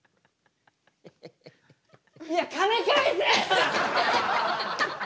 いや金返せ！